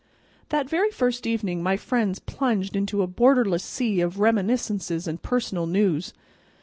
That very first evening my friends plunged into a borderless sea of reminiscences and personal news.